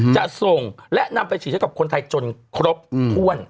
จะส่งและนำไปฉีดให้กับคนไทยจนครบถ้วน